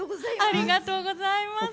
ありがとうございます。